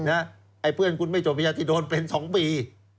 ไอ้เพื่อนคุณไม่จบวิทยาที่โดนเป็น๒ปี